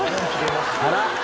あら！